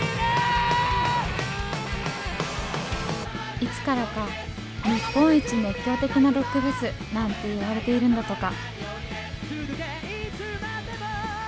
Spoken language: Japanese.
いつからか日本一熱狂的なロックフェスなんて言われているんだとか。